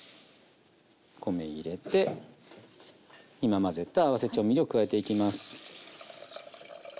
米入れて今混ぜた合わせ調味料加えていきます。